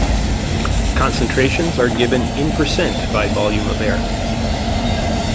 Concentrations are given in percent by volume of air.